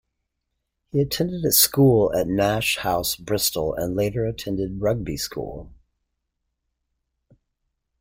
He attended school at Nash House, Bristol, and later attended Rugby School.